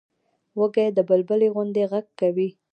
وزې د بلبلي غوندې غږ کوي